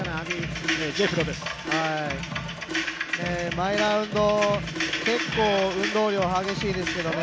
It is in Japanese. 毎ラウンド、結構運動量激しいですけれどもね。